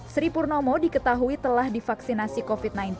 sri purnomo diketahui telah divaksinasi covid sembilan belas